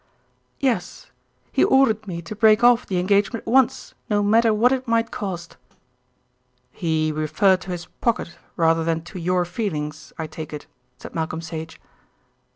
"Yes. He ordered me to break off the engagement at once, no matter what it might cost." "He referred to his pocket rather than to your feelings, I take it?" said Malcolm Sage.